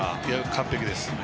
完璧ですね。